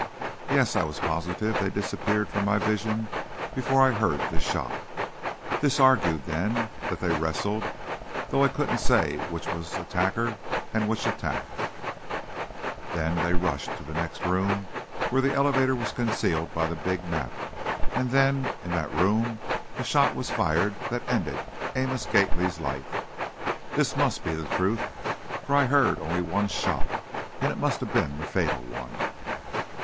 Yes, I was positive they disappeared from my vision before I heard the shot. This argued, then, that they wrestled, though I couldn't say which was attacker and which attacked, then they rushed to the next room, where the elevator was concealed by the big map; and then, in that room, the shot was fired that ended Amos Gately's life. This must be the truth, for I heard only one shot, and it must have been the fatal one.